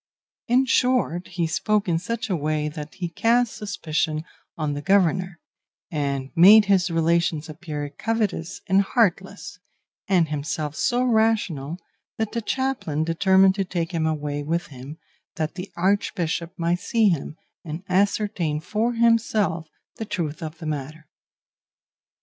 In short, he spoke in such a way that he cast suspicion on the governor, and made his relations appear covetous and heartless, and himself so rational that the chaplain determined to take him away with him that the Archbishop might see him, and ascertain for himself the truth of the matter.